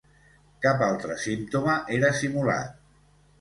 Cap altre símptoma era simulat.